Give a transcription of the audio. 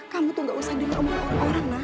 kamu tuh gak usah denger sama orang orang nak